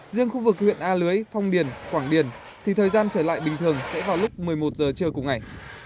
riêng khu vực huyện a lưới phong điền quảng điền thì thời gian trở lại bình thường sẽ vào lúc một mươi một giờ trưa cùng ngày